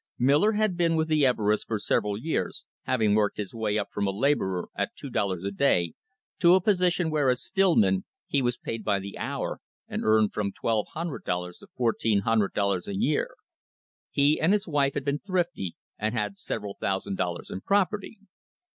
" Miller had been with the Everests for several years, having worked his way up from a labourer at two dollars a day to a position where, as stillman, he was paid by the hour, and earned from $1,200 to $1,400 a year. He and his wife had been thrifty, and had several thousand dollars in property.